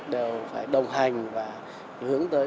đều phải đồng hành và hướng tới